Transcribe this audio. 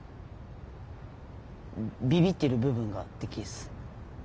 ビビってる部分がでけえっす。